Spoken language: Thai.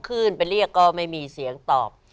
ขึ้นไปเรียกก็ไม่มีเสียงตอบ